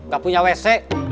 gak punya wc